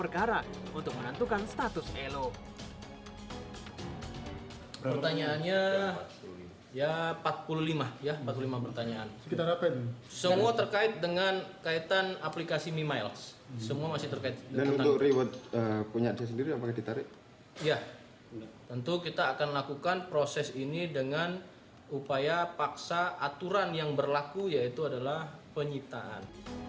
ya tentu kita akan lakukan proses ini dengan upaya paksa aturan yang berlaku yaitu adalah penyitaan